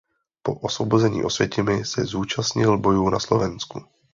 Po osvobození Osvětimi se zúčastnil bojů na Slovensku.